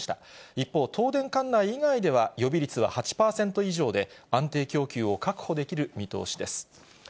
一方、東電管内以外では、予備率は８％以上で、安定供給を確保できる見通しです。